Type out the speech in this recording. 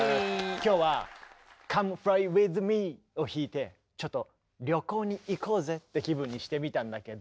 今日は「ＣｏｍｅＦｌｙＷｉｔｈＭｅ」を弾いてちょっと旅行に行こうぜって気分にしてみたんだけど。